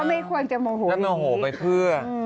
ไม่ควรจะโมโหแล้วโมโหไปเพื่อ